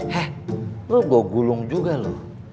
heh lu gua gulung juga lu